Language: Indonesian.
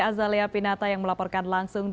baik terima kasih produser lapangan sian dan indonesia